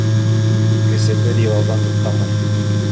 Кесебеҙ илауҙан туҡтамай: